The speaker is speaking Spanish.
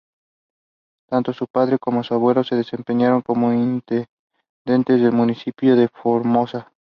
Tanto su padre como su abuelo se desempeñaron como intendentes del municipio de Formosa.